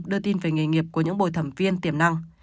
đưa tin về nghề nghiệp của những bồi thẩm viên tiềm năng